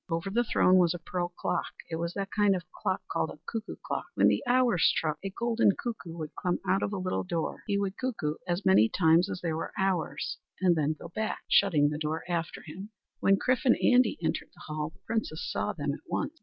Over the throne was a pearl clock. It was that kind of clock called a cuckoo clock. When the hours struck, a golden cuckoo would come out of a little door. He would cuckoo as many times as there were hours and then go back, shutting the door after him. When Chrif and Andy entered the hall, the Princess saw them at once.